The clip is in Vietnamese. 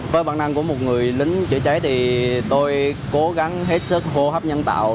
với bản năng của một người lính chữa cháy thì tôi cố gắng hết sức hô hấp nhân tạo